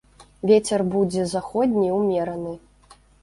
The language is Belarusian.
Вецер будзе заходні ўмераны.